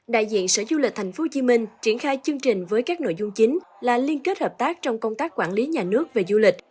đại diện sở du lịch tp hcm triển khai chương trình với các nội dung chính là liên kết hợp tác trong công tác quản lý nhà nước về du lịch